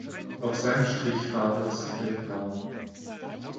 Auch seine Strichfarbe ist hellbraun.